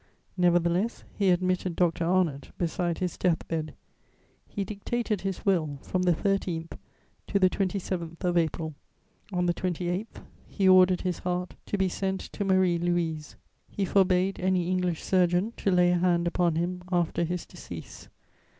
Nevertheless, he admitted Dr. Arnott beside his death bed. He dictated his will from the 13th to the 27th of April; on the 28th, he ordered his heart to be sent to Marie Louise; he forbade any English surgeon to lay a hand upon him after his decease.